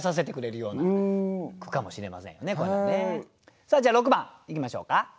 さあじゃあ６番いきましょうか。